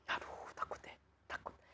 aduh takut ya